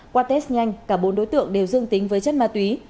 qua test nhanh cả bốn đối tượng đều dương tính với chất ma túy